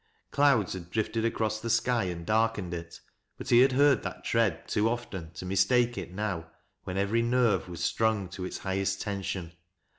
Clouds had drifted acros! the sky and darkened it, but he had heard that tread too (,'ften to mistake it now when every neiTe was strung to its highest tension.